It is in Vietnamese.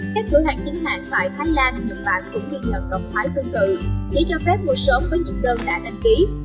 các cửa hàng chính hàng tại thái lan nhật bản cũng ghi nhận động thái tương tự chỉ cho phép mua sớm với những đơn đã đăng ký